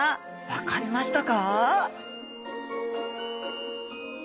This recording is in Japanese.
分かりました。